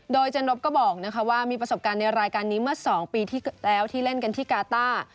โดยเจนบก็บอกว่ามีประสบการณ์ในรายการนี้เมื่อ๒ปีที่แล้วที่เล่นกันที่กาต้า